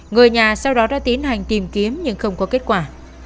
người nhà sau đó đã tiến hành tìm kiếm nhưng không có kết quả